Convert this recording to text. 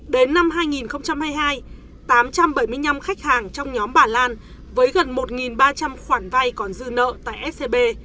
đến năm hai nghìn hai mươi hai tám trăm bảy mươi năm khách hàng trong nhóm bà lan với gần một ba trăm linh khoản vay còn dư nợ tại scb